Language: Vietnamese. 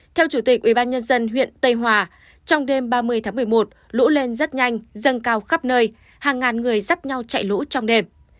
theo chủ tịch ubnd huyện tây hòa trong đêm ba mươi tháng một mươi một lũ lên rất nhanh dâng cao khắp nơi hàng ngàn người dắt nhau chạy lũ trong đêm